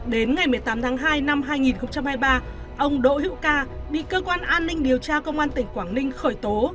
đến ngày một mươi tám tháng hai năm hai nghìn hai mươi ba ông đỗ hữu ca bị cơ quan an ninh điều tra công an tỉnh quảng ninh khởi tố